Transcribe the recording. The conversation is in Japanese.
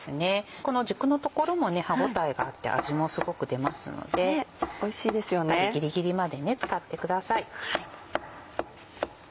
この軸の所もね歯応えがあって味もすごく出ますのでしっかりギリギリまで使ってください。